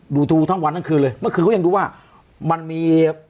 ดูทูทั้งวันทั้งคืนเลยเมื่อคืนเขายังดูว่ามันมี